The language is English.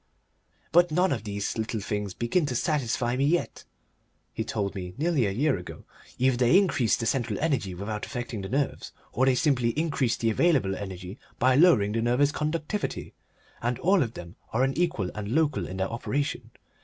"But none of these little things begin to satisfy me yet," he told me nearly a year ago. "Either they increase the central energy without affecting the nerves or they simply increase the available energy by lowering the nervous conductivity; and all of them are unequal and local in their operation.